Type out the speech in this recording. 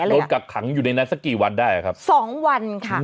เนี่ยรถกับขังอยู่ในนั้นสักกี่วันได้สองวันค่ะ